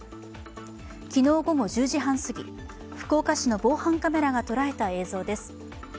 昨日午後１０時半すぎ、福岡市の防犯カメラが捉えた映像です。